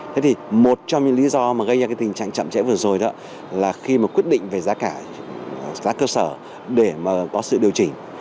thế thì một trong những lý do mà gây ra cái tình trạng chậm trễ vừa rồi đó là khi mà quyết định về giá cả giá cơ sở để mà có sự điều chỉnh